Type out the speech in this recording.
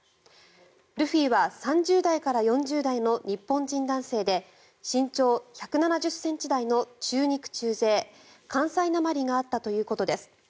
ルフィは３０代から４０代の日本人男性で身長１７０ｃｍ台の中肉中背関西なまりがあったということです。